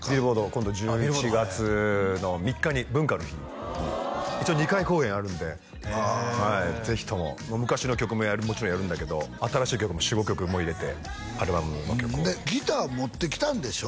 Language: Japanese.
今度１１月の３日に文化の日に一応２回公演あるんではいぜひとも昔の曲ももちろんやるんだけど新しい曲も４５曲入れてアルバムの曲をギター持ってきたんでしょ？